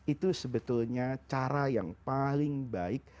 itu sebetulnya cara yang paling baik